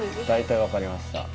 大体わかりました